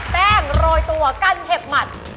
แป้งโรยตัวกันเผ็บหมัด